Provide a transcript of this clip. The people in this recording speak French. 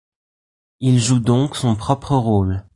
Il joue donc son propre rôle.